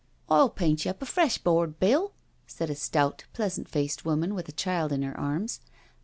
I'll paint you up a fresh board, Bill," said a stout, pleasant faced woman with a child in her arms.